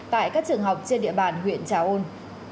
tại các trường học trên địa bàn huyện trà ôn